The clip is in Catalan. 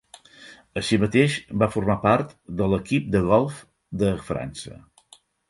Així mateix, va formar part de l'equip de golf de França.